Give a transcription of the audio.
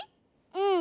うん。